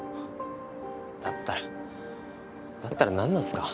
だったらだったらなんなんですか？